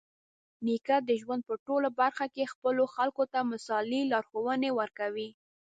نیکه د ژوند په ټولو برخه کې خپلو خلکو ته مثالي لارښوونې ورکوي.